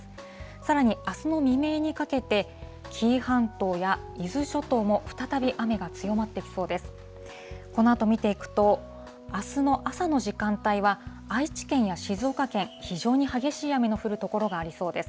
さらにあすの未明にかけて、紀伊半島や伊豆諸島も、再び雨が強まってきそうです。